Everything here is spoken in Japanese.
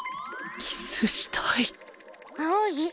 キスしたい青い？